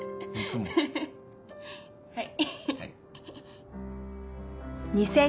はい。